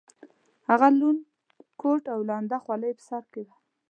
هغه لوند کوټ او لنده خولۍ یې په لاس کې وه.